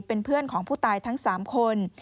เป็นเพื่อนของผู้ตายทั้ง๓คน